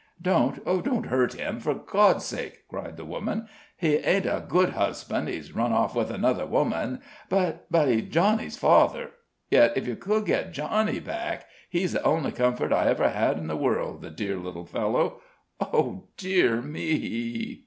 "Don't don't hurt him, for God's sake!" cried the woman. "He ain't a good husband he's run off with another woman, but but he's Johnny's father. Yet, if you could get Johnny back he's the only comfort I ever had in the world, the dear little fellow oh, dear me!"